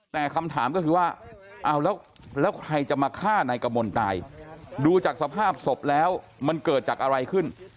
แต่คำถามก็คือว่าเอาแล้วใครจะมาฆ่านายกมลตายดูจากสภาพศพแล้วมันเกิดจากอะไรขึ้น